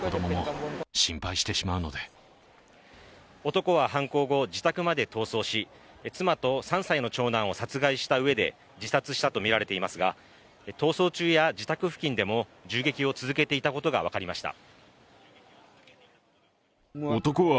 男は犯行後、自宅まで逃走し、妻と３歳の長男を殺害したうえで自殺したとみられていますが、逃走中や自宅付近でも銃撃を続けていたことが分かりました。